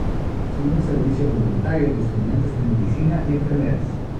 Fue un servicio voluntario de estudiantes de medicina y enfermeras.